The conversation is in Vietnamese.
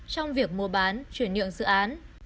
trong việc mua bán chuyển nhượng dự án